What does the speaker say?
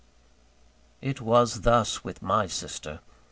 It was thus with my sister.